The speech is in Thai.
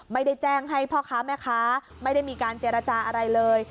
ไม่ได้แจ้งให้พ่อค้าแม่ค้าไม่ได้มีการเจรจาอะไรเลย